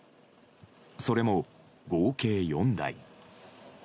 それも、合計４台。